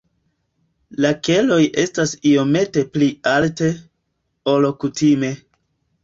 La keloj estas iomete pli alte, ol kutime.